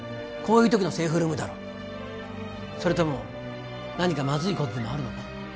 こういう時のセーフルームだろうそれとも何かまずいことでもあるのか？